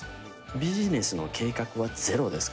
ビジネスの計画はゼロですか